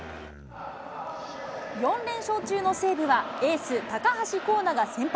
４連勝中の西武は、エース、高橋光成が先発。